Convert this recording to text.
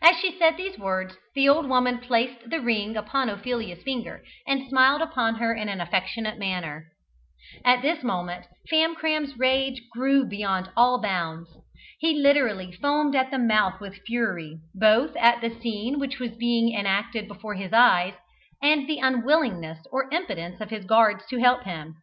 As she said these words the old woman placed the ring upon Ophelia's finger, and smiled upon her in an affectionate manner. At this moment Famcram's rage grew beyond all bounds. He literally foamed at the mouth with fury both at the scene which was being enacted before his eyes, and the unwillingness or impotence of his guards to help him.